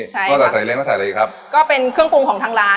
ใช่ค่ะต้องแต่ใสเล็งต้องใสอะไรอีกครับก็เป็นเครื่องปรุงของทางร้าน